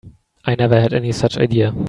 I never had any such idea.